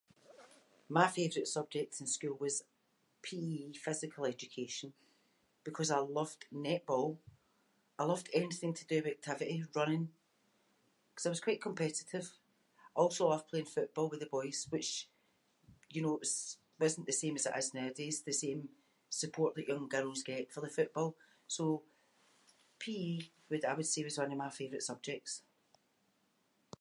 My favourite subject in school was PE physical education because I loved netball, I loved anything to do with activity, running ‘cause I was quite competitive. I also loved playing football with the boys which, you know, it’s- wasn’t the same as it is nooadays- the same support that young girls get for the football. So PE would- I would say was one of my favourite subjects.